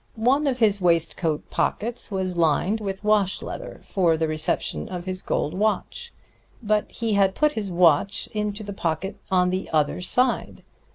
One of his waistcoat pockets was lined with wash leather for the reception of his gold watch. But he had put his watch into the pocket on the other side.